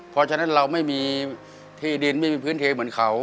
เพราะฉะนั้นเราไม่มีที่ดินไม่มีพื้นเทเหมือนเขา